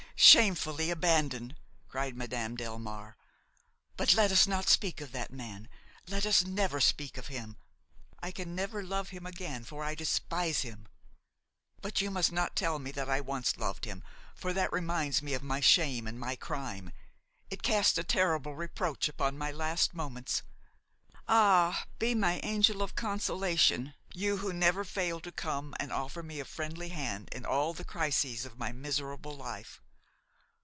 shamefully abandoned!" cried Madame Delmare. "But let us not speak of that man, let us never speak of him. I can never love him again, for I despise him; but you must not tell me that I once loved him, for that reminds me of my shame and my crime; it casts a terrible reproach upon my last moments. Ah! be my angel of consolation; you who never fail to come and offer me a friendly hand in all the crises of my miserable life.